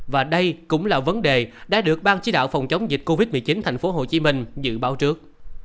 và đây cũng là vấn đề đã được ban chỉ đạo phòng chống dịch covid một mươi chín tp hcm dự báo trước